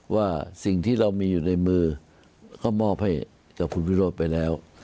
ว่าสิ่งที่เรามีอยู่ในมือเขามอบให้กับคุณวิโรธไปแล้ว